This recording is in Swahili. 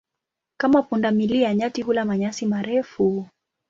Kama punda milia, nyati hula manyasi marefu.